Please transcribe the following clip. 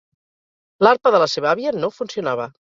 L'arpa de la seva àvia no funcionava.